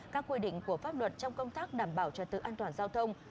các quy định của pháp luật trong công tác đảm bảo trật tự an toàn giao thông